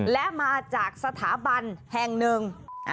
และมาจากสถาบันแห่งหนึ่ง